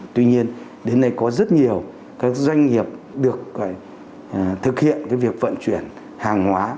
tuy nhiên đến nay có rất nhiều các doanh nghiệp được thực hiện việc vận chuyển hàng hóa